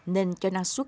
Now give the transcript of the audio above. nên cho năng suất